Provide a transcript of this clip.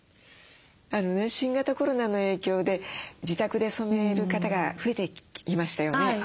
新型コロナの影響で自宅で染める方が増えてきましたよね。